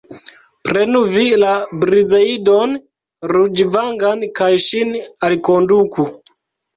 Prenu vi la Brizeidon ruĝvangan kaj ŝin alkonduku.